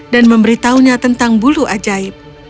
dan memberitahunya tentang bulu ajaib